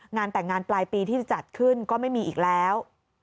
งานแต่งงานปลายปีที่จะจัดขึ้นก็ไม่มีอีกแล้ว